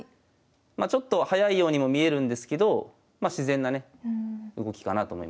ちょっと早いようにも見えるんですけどま自然なね動きかなと思います。